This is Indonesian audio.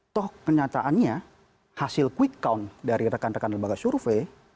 toh kenyataannya hasil quick count dari rekan rekan lembaga survei